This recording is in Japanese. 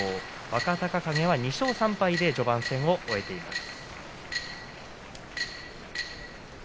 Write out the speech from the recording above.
若隆景は２勝３敗で序盤戦を終えています。